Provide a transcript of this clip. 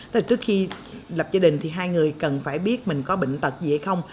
tức là trước khi lập gia đình thì hai người cần phải biết mình có bệnh tật dễ không